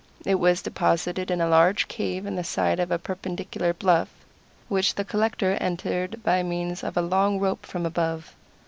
It was deposited in a large cave in the side of a perpendicular bluff, which the collector entered by means of a long rope from above.